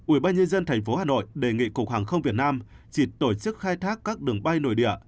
ủy ban nhân dân tp hcm đề nghị cục hàng không việt nam chỉ tổ chức khai thác các đường bay nổi địa